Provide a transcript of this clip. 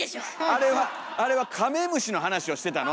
あれはあれはカメムシの話をしてたの！